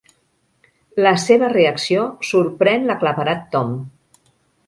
La seva reacció sorprèn l'aclaparat Tom.